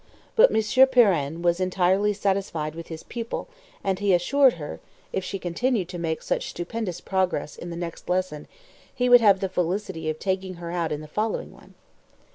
But Monsieur Pirenne was entirely satisfied with his pupil, and he assured her, "if she continued to make such stupendous progress in the next lesson, he would have the felicity of taking her out in the following one."